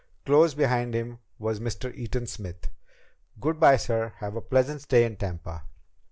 Close behind him was Mr. Eaton Smith. "Good by, sir. Have a pleasant stay in Tampa."